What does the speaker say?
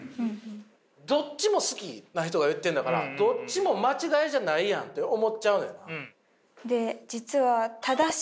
どっちも好きな人が言ってんだからどっちも間違いじゃないやんって思っちゃうのよ。